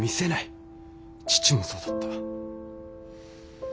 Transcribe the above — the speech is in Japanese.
父もそうだった。